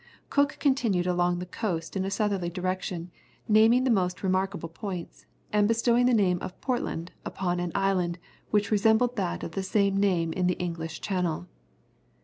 Cook continued along the coast in a southerly direction, naming the most remarkable points, and bestowing the name of Portland upon an island which resembled that of the same name in the English Channel.